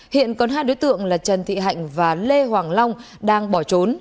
hiện còn hai đối tượng là trần thị hạnh và lê hoàng long đang bỏ trốn